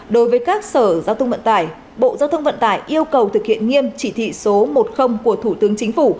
đối với các sở giao thông vận tải bộ giao thông vận tải yêu cầu thực hiện nghiêm chỉ thị số một của thủ tướng chính phủ